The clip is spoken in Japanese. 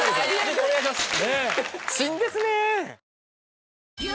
ぜひお願いします。